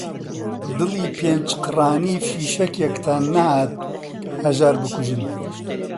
دڵی پێنج قڕانی فیشەکێکتان نەهات هەژار بکوژن